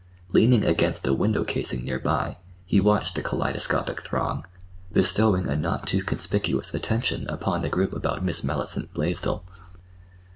Leaning against a window casing near by, he watched the kaleidoscopic throng, bestowing a not too conspicuous attention upon the group about Miss Mellicent Blaisdell.